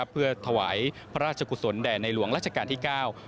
เพื่อถวายพระราชกุศลแด่ในหลวงราชการที่เก้า